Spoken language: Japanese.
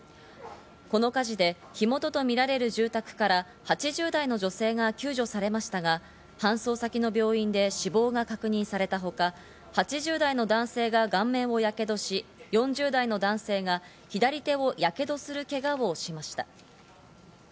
この火事で火元とみられる住宅から８０代の女性が救助されましたが、搬送先の病院で死亡が確認されたほか、８０代の男性が顔面をやけどし、４０代の男性が左手をやけどするけがをしました。